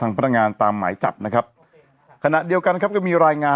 พนักงานตามหมายจับนะครับขณะเดียวกันครับก็มีรายงาน